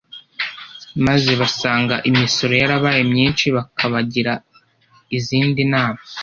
maze basanga imisoro yarabaye myinshi bakabagira izindi nama